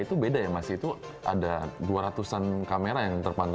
itu beda ya mas itu ada dua ratus an kamera yang terpantau